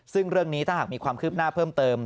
ซึ่งเรื่องนี้ถ้าหากมีความคืบหน้าเพิ่มเติม